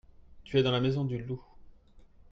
tu es dans la maison du loup.